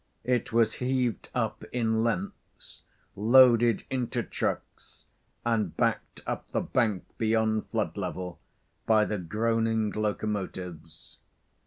It was heaved up in lengths, loaded into trucks, and backed up the bank beyond flood level by the groaning locomotives.